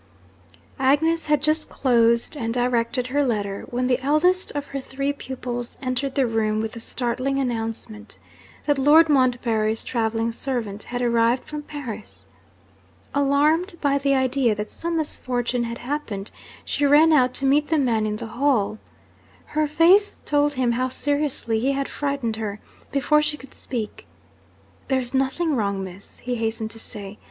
Agnes had just closed and directed her letter, when the eldest of her three pupils entered the room with the startling announcement that Lord Montbarry's travelling servant had arrived from Paris! Alarmed by the idea that some misfortune had happened, she ran out to meet the man in the hall. Her face told him how seriously he had frightened her, before she could speak. 'There's nothing wrong, Miss,' he hastened to say.